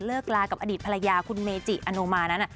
ลากับอดีตภรรยาคุณเมจิอโนมานั้น